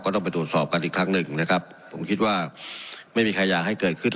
ต้องไปตรวจสอบกันอีกครั้งหนึ่งนะครับผมคิดว่าไม่มีใครอยากให้เกิดขึ้น